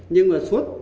nhưng mà suốt